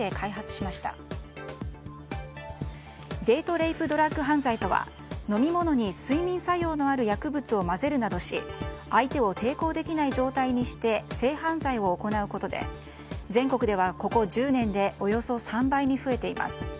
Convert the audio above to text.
レイプドラッグ犯罪とは飲み物に睡眠作用のある薬物を混ぜるなどし相手を抵抗できない状態にして性犯罪を行うことで全国では、ここ１０年でおよそ３倍に増えています。